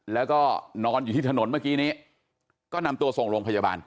แล้วก็นอนอยู่ที่ถนนเมื่อกี้นี้ก็นำตัวส่งโรงพยาบาล